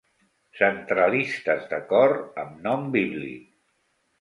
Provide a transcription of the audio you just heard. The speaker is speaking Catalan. Centralistes de cor amb nom bíblic.